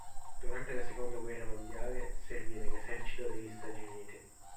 Durante la seconda guerra mondiale servì nell'esercito degli Stati Uniti.